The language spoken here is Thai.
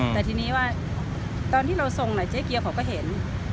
แต่ทีนี้ว่าตอนที่เราทรงเจ๊เกียวเขาก็เห็น